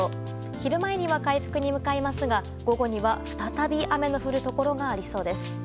昼前には回復に向かいますが午後には、再び雨の降るところがありそうです。